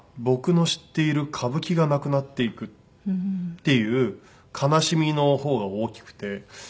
僕の知っている歌舞伎がなくなっていくっていう悲しみの方が大きくて。